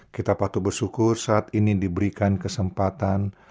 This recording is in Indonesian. kita patut bersyukur saat ini diberikan kesempatan